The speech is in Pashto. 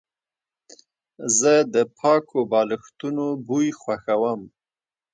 زه د پاکو بالښتونو بوی خوښوم.